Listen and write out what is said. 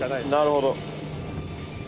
なるほど。